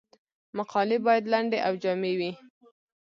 مقالې باید لنډې او جامع وي.